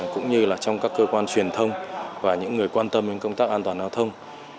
cũng như trong các cơ quan truyền thông và những người quan tâm đến công tác an toàn giao thông